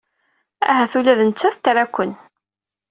Ahat ula d nettat tra-ken.